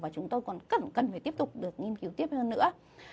và chúng tôi còn cần phải tiếp tục được nghiên cứu tiếp hơn nữa